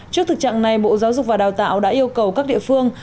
trước thực trạng này bộ giáo dục và đào tạo đã yêu cầu các địa phương